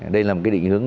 đây là một định hướng